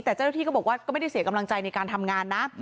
แต่เจ้าหน้าที่ก็บอกว่าก็ไม่ได้เสียกำลังใจในการทำงานนะ